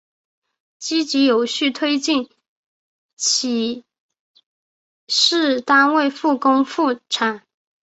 积极有序推进企事业单位复工复产